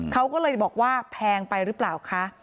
เขาก็เลยบอกว่าแพงไปหรือเปล่าคะ